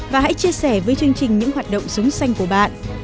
và hãy chia sẻ với chương trình những hoạt động sống xanh của bạn